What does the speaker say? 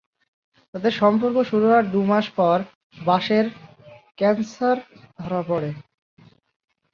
তাদের সম্পর্ক শুরু হওয়ার দুই মাস পর বাসের ক্যান্সার ধরা পড়ে।